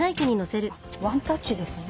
ワンタッチですね。